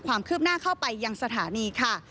ความคืบหน้าเข้าไปยังสถานีค่ะ